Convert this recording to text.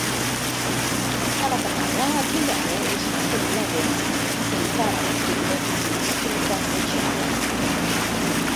A la canalla aquell home els va semblar vell, encara que tot just cinquantejava.